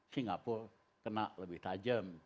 singapura kena lebih tajam